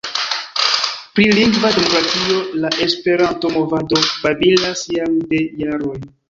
Pri lingva demokratio la Esperanto-movado babilas jam de jaroj.